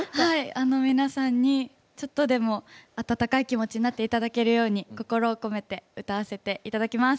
皆さんにちょっとでも温かい気持ちになっていただけるよう心を込めて歌わせていただきます。